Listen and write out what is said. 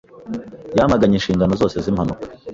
Yamaganye inshingano zose z’impanuka.